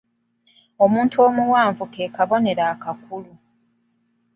Omuti omuwanvu ke kabonero akakulu.